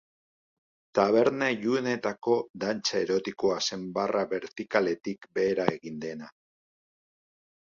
Taberna ilunetako dantza erotikoa zen barra bertikaletik behera egiten dena.